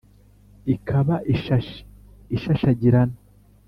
ikaba ishashi ishashagirana